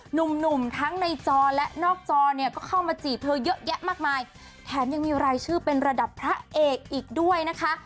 หนุ่มหนุ่มทั้งในจอและนอกจอเนี่ยก็เข้ามาจีบเธอเยอะแยะมากมายแถมยังมีรายชื่อเป็นระดับพระเอกอีกด้วยนะคะ